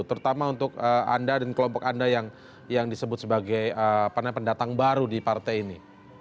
terutama untuk anda dan kelompok anda yang disebut sebagai pendatang baru di partai ini